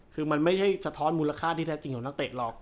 คือมันไม่ใช่สะท้อนมูลค่าที่แท้จริงของนักเตะหรอก